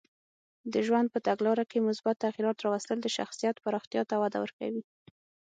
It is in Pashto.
د ژوند په تګلاره کې مثبت تغییرات راوستل د شخصیت پراختیا ته وده ورکوي.